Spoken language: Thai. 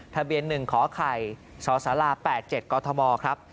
ทะเบียนหนึ่งขอไข่ชศ๘๗กมครับ